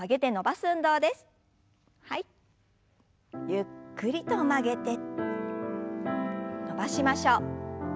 ゆっくりと曲げて伸ばしましょう。